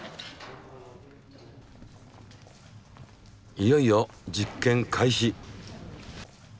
いよいよ実験開始。